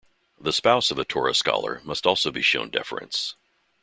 The spouse of a Torah scholar must also be shown deference.